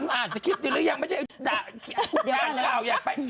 อ่านสกิปอยู่หรือยังอ่านกล่าวอย่างไป